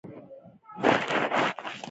خو اوس يې ټول پام د شريف ځوانېدو ته و.